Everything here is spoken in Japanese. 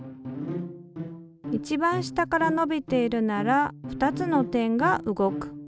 一番下から伸びているなら２つの点が動く。